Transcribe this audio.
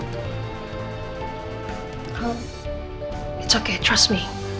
tidak apa apa percayakan mama